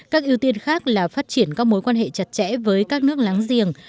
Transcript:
các ưu tiên khác là phát triển các mối quan hệ chặt chẽ với các nước láng giềng